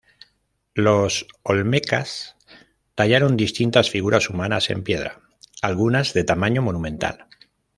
Los olmecas tallaron distintivas figuras humanas en piedra, algunas de tamaño monumental.